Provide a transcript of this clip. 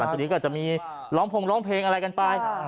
ทีนี้ก็จะมีร้องพงร้องเพลงอะไรกันไป